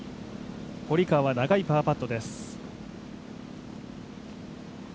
堀川は長いパーパットです。